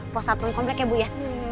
posatun komplek ya bu ya